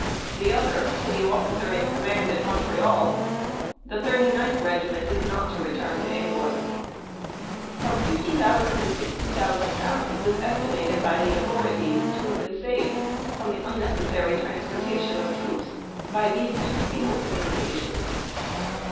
The other, to the officer in command at Montreal: "The Thirty ninth Regiment is not to return to England." From £50,000 to £60,000 was estimated by the authorities to have been saved, in the unnecessary transportation of troops, by these two cable communications.